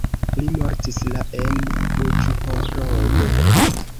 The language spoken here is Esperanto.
Li mortis la en Uĵhorodo.